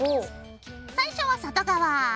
最初は外側。